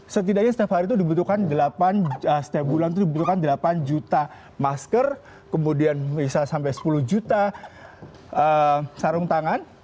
setidaknya setiap hari itu dibutuhkan delapan juta masker kemudian bisa sampai sepuluh juta sarung tangan